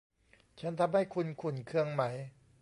ฉันทำให้คุณขุ่นเคืองไหม